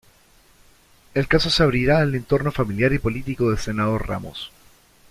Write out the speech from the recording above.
El caso se abrirá al entorno familiar y político del senador Ramos.